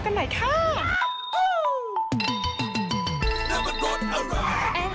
สวัสดีครับคุณผู้ชมครับ